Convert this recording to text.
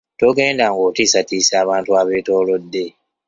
Togenda nga otiisatiisa abantu abetolodde .